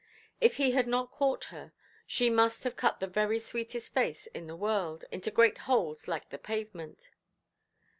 If he had not caught her, she must have cut the very sweetest face in the world into great holes like the pavement.